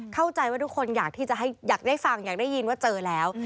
เข้าใจว่าทุกคนอยากที่จะอยากได้ฟังอยากได้ยินว่าเจอแล้ว